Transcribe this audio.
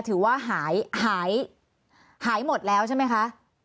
ถือว่าหายหายหมดแล้วใช่ไหมคะ